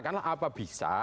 katakanlah apa bisa